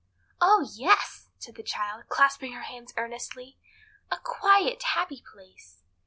"Oh yes!" said the child, clasping her hands earnestly; "a quiet, happy place."